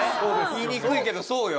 言いにくいけどそうよ。